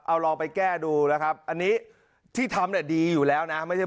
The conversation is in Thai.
เอาลองไปแก้ดูนะครับอันนี้ที่ทำเนี่ยดีอยู่แล้วนะไม่ใช่